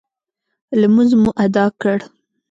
لمونځ مو اداء کړ.